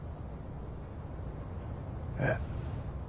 えっ？